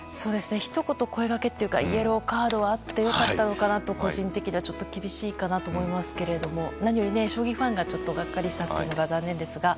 ひと言、お声がけというかイエローカードがあっても良かったかなと個人的には厳しいかなと思いますが何より将棋ファンががっかりしたのは残念ですね。